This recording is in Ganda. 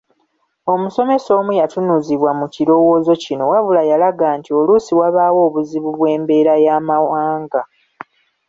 Omusomesa omu yatunuzibwa mu kirowooza kino wabula yalaga nti oluusi wabaawo obuzibu bw’embeera y’amawanga.